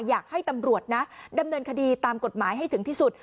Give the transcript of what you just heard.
อยากให้ตำรวจนะดำเนินคดีตามกฎหมายให้ถึงที่สุด